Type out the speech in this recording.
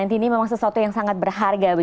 ini memang sesuatu yang sangat berharga